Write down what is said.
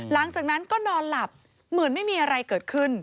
แล้วก็นอนหลับเหมือนไม่มีอะไรเกิดขึ้น